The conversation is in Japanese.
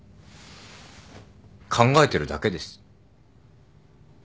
考えてるだけです。